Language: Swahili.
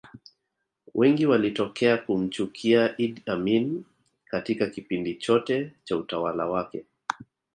Wengi walitokea kumchukia Idd Amin Katika kipindi chote Cha utawala wake